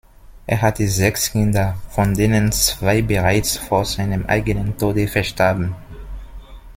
Er hatte sechs Kinder, von denen zwei bereits vor seinem eigenen Tode verstarben.